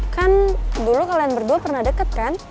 kan dulu kalian berdua pernah deket kan